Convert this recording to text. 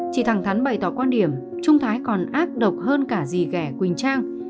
chị thẳng thắn bày tỏ quan điểm trung thái còn ác độc hơn cả dì gẻ quỳnh trang